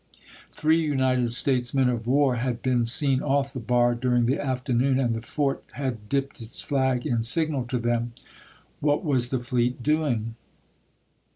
Three United States men of war had been seen off the bar during the afternoon, and the fort had dipped its flag in signal to them. AVhat was the fleet doing?